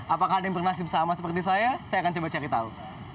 apakah ada yang bernasib sama seperti saya saya akan coba cari tahu